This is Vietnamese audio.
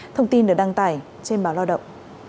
thông tin được đăng tải trên báo lo động